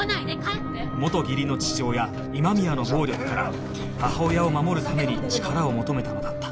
元義理の父親今宮の暴力から母親を守るために力を求めたのだった